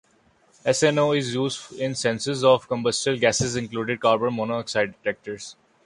SnO is used in sensors of combustible gases including carbon monoxide detectors.